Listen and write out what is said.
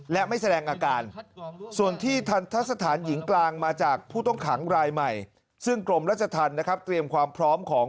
และไม่แสดงอาการ